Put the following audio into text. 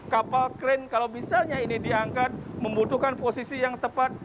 kapal krain kalau misalnya ini diangkat membutuhkan posisi yang tepat